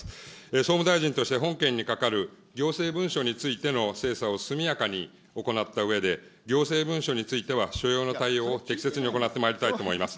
総務大臣として本件に係る行政文書についての精査を速やかに行ったうえで、行政文書については所要の対応を適切に行ってまいりたいと思います。